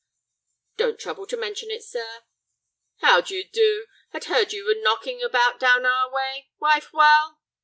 "Don't trouble to mention it, sir." "How d'you do? Had heard you were knocking about down our way. Wife well?"